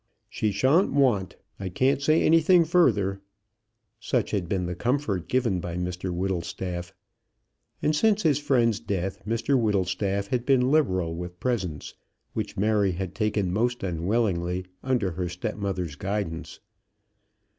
"She shan't want. I can't say anything further." Such had been the comfort given by Mr Whittlestaff. And since his friend's death Mr Whittlestaff had been liberal with presents, which Mary had taken most unwillingly under her step mother's guidance.